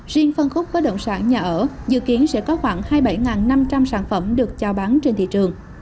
riêng phân khúc bất động sản nhà ở dự kiến sẽ có khoảng hai mươi bảy năm trăm linh sản phẩm được trao bán trên thị trường